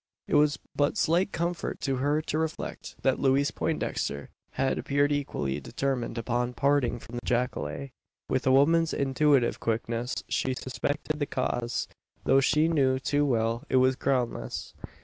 It was but slight comfort to her to reflect: that Louise Poindexter had appeared equally determined upon parting from the jacale. With a woman's intuitive quickness, she suspected the cause; though she knew, too well, it was groundless.